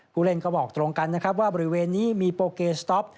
ผู้เล่นก็บอกตรงกันนะครับว่าบริเวณนี้มีโปเกสต๊อป